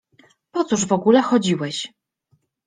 Po cóż w ogóle chodziłeś?